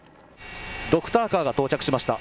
ドクターカーが到着しました。